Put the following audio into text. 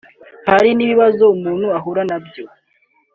Hari n’ibibazo umuntu ahura nabyo